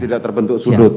tidak terbentuk sudut